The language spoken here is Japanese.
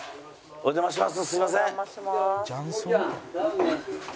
お邪魔します。